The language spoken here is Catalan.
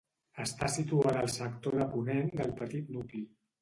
Està situada al sector de ponent del petit nucli.